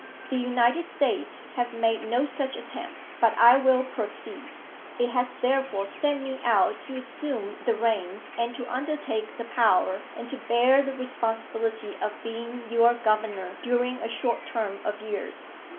"The United States have made no such attempt; but I will proceed. It has therefore sent me out to assume the reins, and to undertake the power, and to bear the responsibility of being your governor during a short term of years.